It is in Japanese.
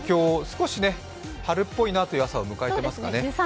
今日は東京少し春っぽいなという朝を迎えていますね。